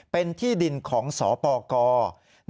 เป็นที่ดินของสปก